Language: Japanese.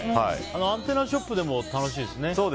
アンテナショップ楽しいですね。